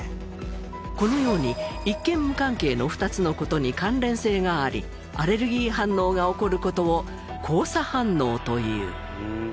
このように一見無関係の２つの事に関連性がありアレルギー反応が起こる事を交差反応という。